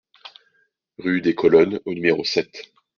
Rue des Colonnes au numéro sept